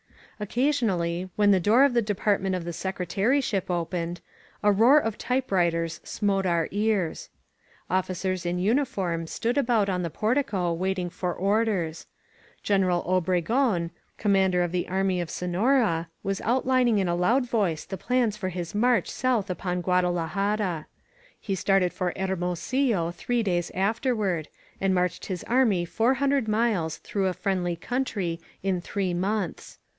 Occasionally, when the door of the De partment of the Secretaryship opened, a roar of type writers smote our ears. Officers in uniform stood about the portico waiting for orders. Greneral Obregon^ 871 INSURGENT MEXICO Commander of the Army of Sonora, was outlining in a loud voice the plans for his march south upon Guada lajara. He started for Hermosillo three days after ward, and marched his army four hundred miles through a friendly country in three months.